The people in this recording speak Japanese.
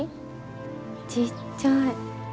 ちっちゃい。